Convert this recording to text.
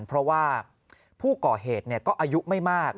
เพราะว่าผู้ก่อเหตุก็อายุไม่มาก